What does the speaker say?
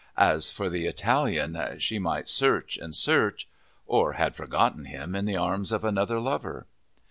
As for the Italian, she might search and search or had forgotten him, in the arms of another lover.